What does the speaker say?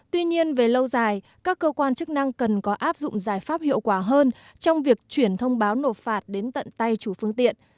tuy nhiên về lâu dài các cơ quan chức năng cần có áp dụng giải pháp hiệu quả hơn trong việc chuyển thông báo nộp phạt đến tận tay chủ phương tiện